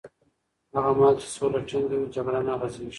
هغه مهال چې سوله ټینګه وي، جګړه نه غځېږي.